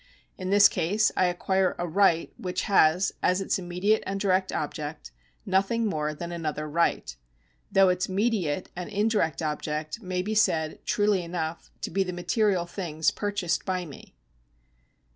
In this case I acqune a right which has, as its im mediate and direct object, nothing more than another right ; though its mediate and indirect object may be said, truly enough, to be the material things purchased by me.